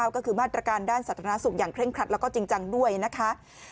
ก็คือมาตรการด้านสาธารณสุขอย่างเร่งครัดแล้วก็จริงจังด้วยนะคะ